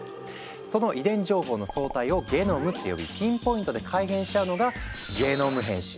その遺伝情報の総体をゲノムって呼びピンポイントで改変しちゃうのが「ゲノム編集」。